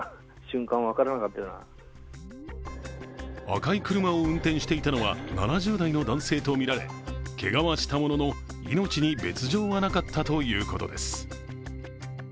赤い車を運転していたのは７０代の男性とみられけがはしたものの、命に別状はなかったということです。